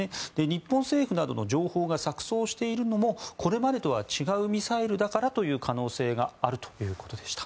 日本政府などの情報が錯そうしているのもこれまでとは違うミサイルだからという可能性があるということでした。